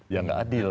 ya nggak adil